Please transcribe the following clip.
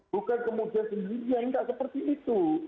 bukan kemudian pimpinan yang nggak seperti itu